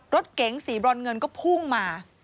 รถเก๋งสีบรอนเงินก็พุ่งมา